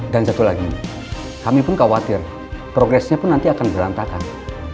dan satu lagi kami pun khawatir progresnya pun nanti akan berantakan